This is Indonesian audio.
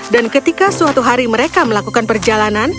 dan ketika suatu hari mereka melakukan perjalanan